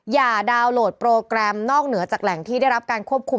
อย่าดาวน์โหลดโปรแกรมนอกเหนือจากแหล่งที่ได้รับการควบคุม